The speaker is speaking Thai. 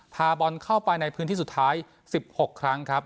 พาบอลเข้าไปในพื้นที่สุดท้าย๑๖ครั้งครับ